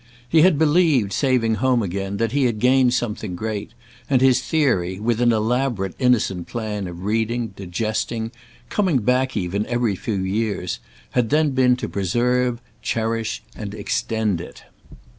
He had believed, sailing home again, that he had gained something great, and his theory—with an elaborate innocent plan of reading, digesting, coming back even, every few years—had then been to preserve, cherish and extend it.